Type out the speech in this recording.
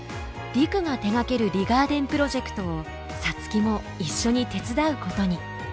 陸が手がけるリガーデンプロジェクトを皐月も一緒に手伝うことに。